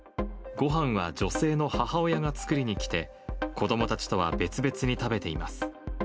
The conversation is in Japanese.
ごはんは女性の母親が作りに来て、子どもたちとは別々に食べています。